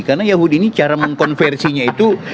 karena yahudi ini cara mengkonversinya itu